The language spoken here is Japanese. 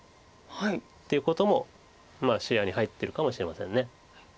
っていうことも視野に入ってるかもしれません。